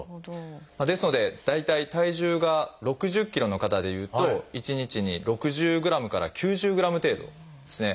ですので大体体重が６０ｋｇの方でいうと一日に６０ｇから９０ｇ程度ですね。